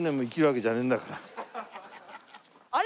あれ？